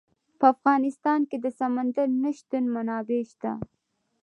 په افغانستان کې د سمندر نه شتون منابع شته.